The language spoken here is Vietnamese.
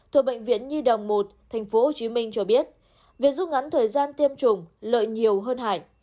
thuộc bệnh viện nhi đồng một tp hcm cho biết việc rút ngắn thời gian tiêm chủng lợi nhiều hơn hải